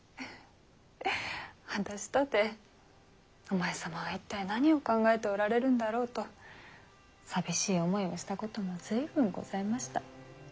私とてお前様は一体何を考えておられるんだろうと寂しい思いをしたことも随分ございました。